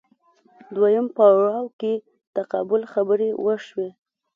دویم پړاو کې تقابل خبرې وشوې